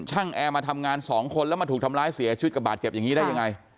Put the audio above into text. แอร์มาทำงานสองคนแล้วมาถูกทำร้ายเสียชีวิตกับบาดเจ็บอย่างนี้ได้ยังไง